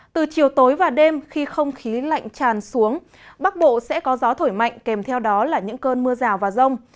từ chiều tối và đêm khi không khí lạnh tràn xuống bắc bộ sẽ có gió thổi mạnh kèm theo đó là những cơn mưa rào và rông